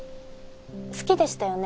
好きでしたよね